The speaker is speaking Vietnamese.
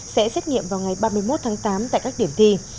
sẽ xét nghiệm vào ngày ba mươi một tháng tám tại các điểm thi